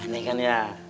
aneh kan ya